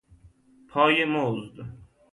پای مزد